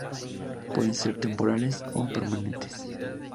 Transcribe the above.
Pueden ser temporales o permanentes.